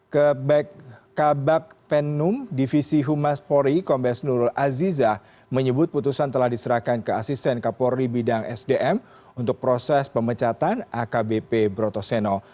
ke kabak penum divisi humas polri kombes nurul aziza menyebut putusan telah diserahkan ke asisten kapolri bidang sdm untuk proses pemecatan akbp brotoseno